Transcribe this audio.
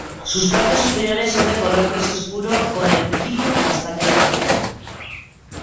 Sus partes superiores son de color gris oscuro con el píleo castaño rojizo.